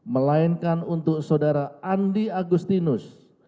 melainkan untuk saudara andi agustinus